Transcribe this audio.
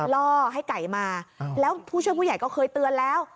ล่อให้ไก่มาแล้วผู้ช่วยผู้ใหญ่ก็เคยเตือนแล้ว